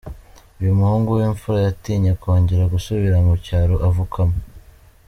Uyu muhungu w’ imfura yatinye kongera gusubira mu cyaro avukamo.